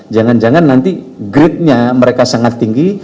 jangan jangan nanti gridnya mereka sangat tinggi